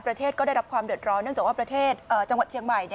ประเทศก็ได้รับความเดือดร้อนเนื่องจากว่าประเทศจังหวัดเชียงใหม่